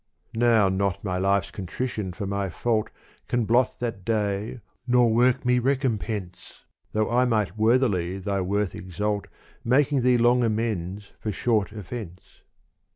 Now not my life's contrition for my fault Can blot that day nor work me recompense, Though I might worthily thy worth exalt Making thee long amends for short offence.